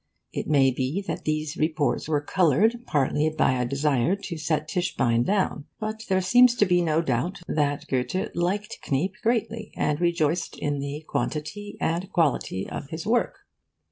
It may be that these reports were coloured partly by a desire to set Tischbein down. But there seems to be no doubt that Goethe liked Kniep greatly and rejoiced in the quantity and quality of his work.